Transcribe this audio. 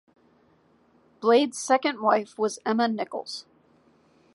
Blaydes' second wife was Emma Nichols.